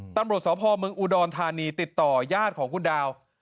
ตำรวจสพเมืองอุดรธานีติดต่อยาดของคุณดาว